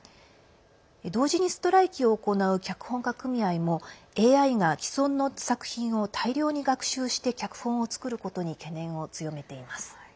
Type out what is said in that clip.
同時にストライキを行う脚本家組合もＡＩが既存の作品を大量に学習して脚本を作ることに懸念を強めています。